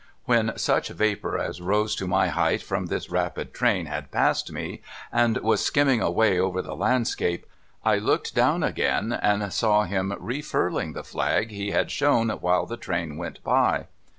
AMien such vapour as rose to my height from this rapid train had passed me, and was skimming away over the landscape, I looked down again, and saw him refurling the flag he had shown while the train went by.